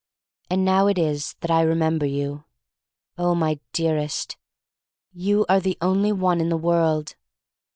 "And now it is that I remember you. "Oh, my dearest — you are the only one in the world!